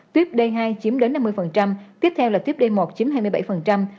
tuyếp d hai chiếm đến năm mươi tiếp theo là tuyếp d một chiếm hai mươi bảy